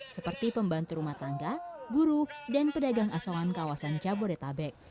seperti pembantu rumah tangga buru dan pedagang asongan kawasan jabodetabek